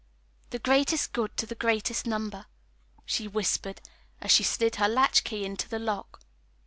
"The greatest good to the greatest number," she whispered, as she slid her latchkey into the lock.